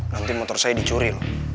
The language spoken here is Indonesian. nanti motor saya dicuri loh